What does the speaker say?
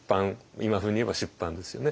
今風に言えば出版ですよね。